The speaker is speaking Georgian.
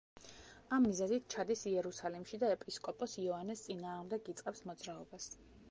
ამ მიზეზით ჩადის იერუსალიმში და ეპისკოპოს იოანეს წინააღმდეგ იწყებს მოძრაობას.